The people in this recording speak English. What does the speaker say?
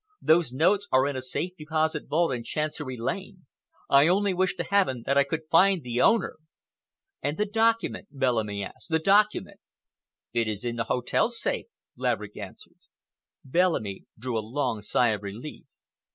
Those notes are in a safe deposit vault in Chancery Lane! I only wish to Heaven that I could find the owner!" "And the document?" Bellamy asked. "The document?" "It is in the hotel safe," Laverick answered. Bellamy drew a long sigh of relief.